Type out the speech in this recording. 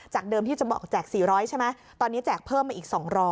เดิมที่จะบอกแจก๔๐๐ใช่ไหมตอนนี้แจกเพิ่มมาอีก๒๐๐